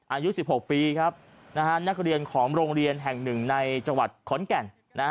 อายุ๑๖ปีนะฮะนักเรียนขอมโรงเรียนแห่ง๑ในจังหวัดขนแก่่น